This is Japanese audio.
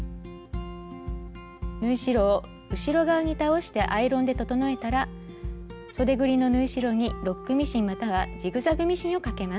縫い代を後ろ側に倒してアイロンで整えたらそでぐりの縫い代にロックミシンまたはジグザグミシンをかけます。